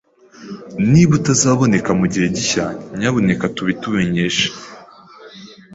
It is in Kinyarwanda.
Niba utazaboneka mugihe gishya, nyamuneka tubitumenyeshe.